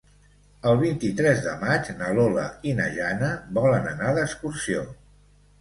El vint-i-tres de maig na Lola i na Jana volen anar d'excursió.